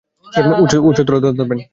উচ্চতর দর ধরবেন?